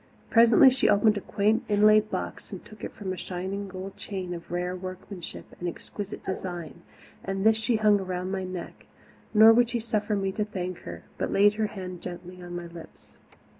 Presently she opened a quaint, inlaid box and took from it a shining gold chain of rare workmanship and exquisite design, and this she hung around my neck, nor would suffer me to thank her but laid her hand gently on my lips.